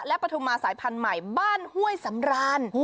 และปฐุมาสายพันธุ์ใหม่บ้านห้วยสำราน